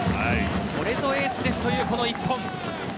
これぞエースですというこの１本。